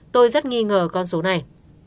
tôi rất nghi ngờ con số này